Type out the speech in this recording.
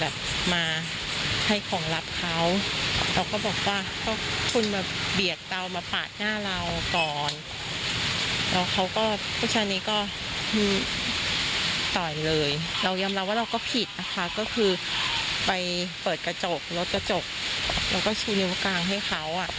ไปเปิดกระจกลดกระจกแล้วชูนิ้วกลางให้เขา